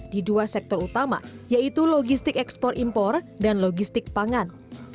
di dua sektor utama yaitu logistik ekspor impor dan logistik pangan